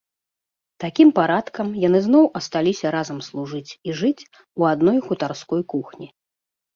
Такім парадкам яны зноў асталіся разам служыць і жыць у адной хутарской кухні.